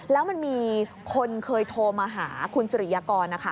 แล้วมันมีคนเคยโทรมาหาคุณศรียากร